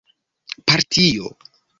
partio